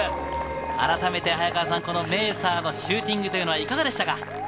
改めてメーサーのシューティングというのはいかがでしたか？